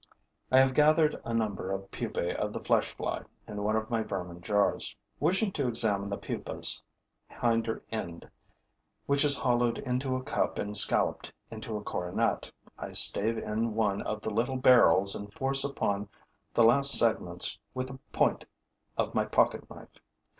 I have gathered a number of pupae of the flesh fly in one of my vermin jars. Wishing to examine the pupa's hinder end, which is hollowed into a cup and scalloped into a coronet, I stave in one of the little barrels and force open the last segments with the point of my pocketknife.